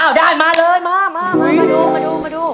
อ้าวได้มาเลยมามาดู